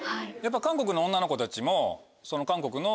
韓国の女の子たちも。